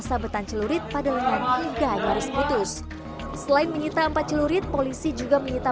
sabetan celurit pada lengan tiga garis putus selain menyita empat celurit polisi juga menyita